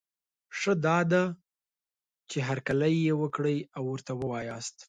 ښه دا ده، چي هرکلی یې وکړی او ورته وواياست